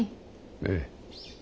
ええ。